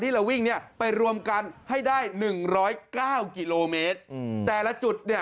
ที่เราวิ่งเนี่ยไปรวมกันให้ได้๑๐๙กิโลเมตรแต่ละจุดเนี่ย